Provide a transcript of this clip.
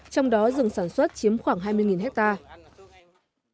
trong đó rừng sản xuất chiếm khoảng hai mươi hectare